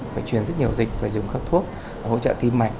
phải truyền rất nhiều dịch phải dùng các thuốc hỗ trợ tim mạch